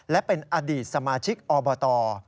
และเป็นอดีตสมาชิกอบต